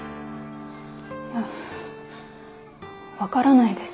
分からないです。